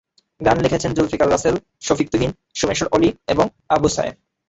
গান লিখেছেন জুলফিকার রাসেল, শফিক তুহিন, সোমেশ্বর অলি এবং আবু সায়েম।